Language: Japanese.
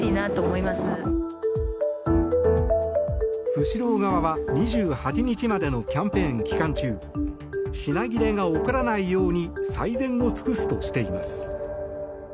スシロー側は２８日までのキャンペーン期間中品切れが起こらないように最善を尽くすとしています。